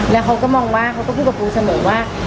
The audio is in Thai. แล้วเขาก็มองว่าเขาก็พูดกับปูเสมอว่า